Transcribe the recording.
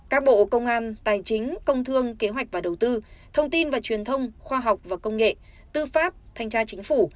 các bộ công an tài chính công thương kế hoạch và đầu tư thông tin và truyền thông khoa học và công nghệ tư pháp thanh tra chính phủ